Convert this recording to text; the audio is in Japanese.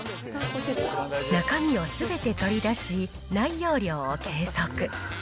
中身をすべて取り出し、内容量を計測。